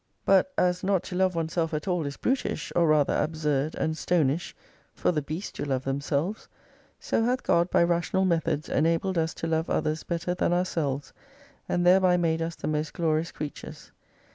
278 But as not to love oneself at all is brutish, or rather absurd and stonish, (for the beasts do love themselves) so hath God by rational methods enabled us to love others better than ourselves, and thereby made us the most glorious creatures.